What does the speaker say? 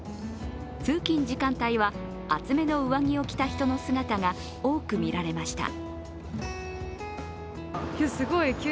通勤時間帯は厚めの上着を着た人の姿が多く見られました。